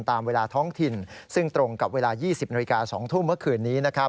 ตามเวลาท้องถิ่นซึ่งตรงกับเวลา๒๐นาฬิกา๒ทุ่มเมื่อคืนนี้